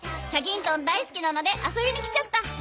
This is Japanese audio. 『チャギントン』だいすきなので遊びに来ちゃった。